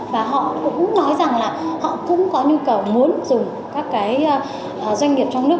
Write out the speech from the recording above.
và họ cũng nói rằng là họ cũng có nhu cầu muốn dùng các cái doanh nghiệp trong nước